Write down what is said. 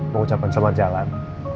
mengucapkan selamat jalan